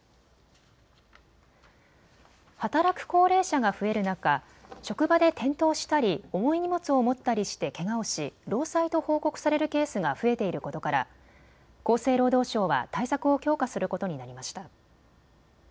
働く高齢者が増える中、職場で転倒したり重い荷物を持ったりしてけがをし、労災と報告されるケースが増えていることから厚生労働省は対策を強化することになりました。